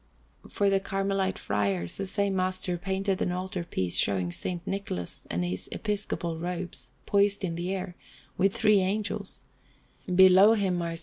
For the Carmelite Friars the same master painted an altar piece showing S. Nicholas in his episcopal robes, poised in the air, with three Angels; below him are S.